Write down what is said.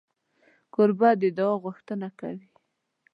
کوربه د دعا غوښتنه کوي.